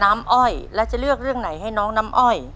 อ้อยแล้วจะเลือกเรื่องไหนให้น้องน้ำอ้อย